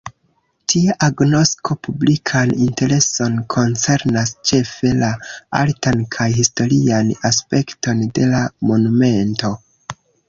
Tia agnosko publikan intereson koncernas ĉefe la artan kaj historian aspekton de la monumento.